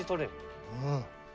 うん。